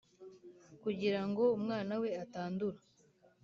kugira ngo umwana we atandura.